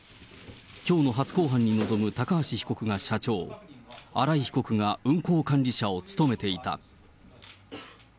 きょうの初公判に臨む高橋被告が社長、荒井被告が運行管理者を務めていた。